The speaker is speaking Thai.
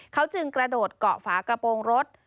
เขาจึงกระโดดเกาะฝากระโปรงรถ